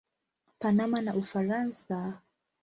Panama na Ufaransa.